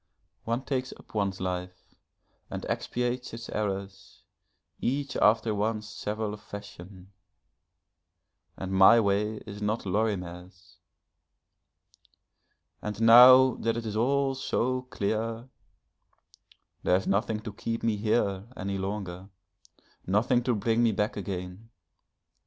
One takes up one's life and expiates its errors, each after one's several fashion and my way is not Lorimer's. And now that it is all so clear, there is nothing to keep me here any longer, nothing to bring me back again.